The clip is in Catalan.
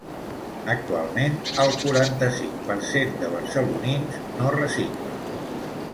Actualment el quaranta-cinc per cent de barcelonins no recicla.